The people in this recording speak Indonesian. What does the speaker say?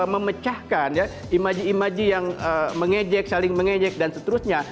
memecahkan ya imaji imaji yang mengejek saling mengejek dan seterusnya